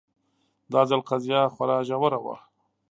دا ځل قضیه خورا ژوره وه